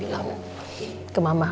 iya dokter juga sudah bilang